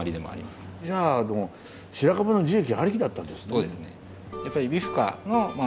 じゃああの白樺の樹液ありきだったんですね。